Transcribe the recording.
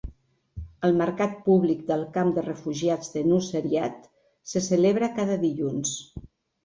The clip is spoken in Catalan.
El mercat públic del camp de refugiats de Nuseirat se celebra cada dilluns.